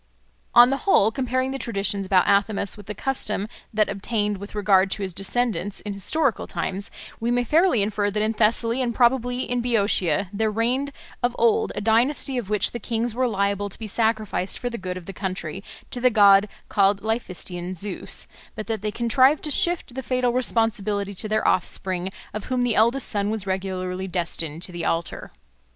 On the whole, comparing the traditions about Athamas with the custom that obtained with regard to his descendants in historical times, we may fairly infer that in Thessaly and probably in Boeotia there reigned of old a dynasty of which the kings were liable to be sacrificed for the good of the country to the god called Laphystian Zeus, but that they contrived to shift the fatal responsibility to their offspring, of whom the eldest son was regularly destined to the altar.